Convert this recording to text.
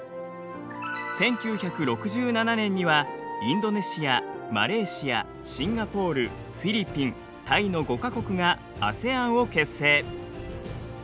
１９６７年にはインドネシアマレーシアシンガポールフィリピンタイの５か国がＡＳＥＡＮを結成。